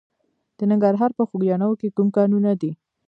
د ننګرهار په خوږیاڼیو کې کوم کانونه دي؟